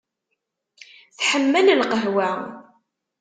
Tḥemmel lqahwa.